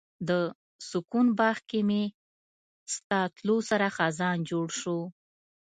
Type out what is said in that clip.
د سکون باغ کې مې ستا تلو سره خزان جوړ شو